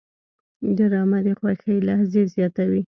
ډرامه د خوښۍ لحظې زیاتوي